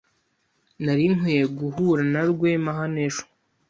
Nari nkwiye guhura na Rwema hano ejo.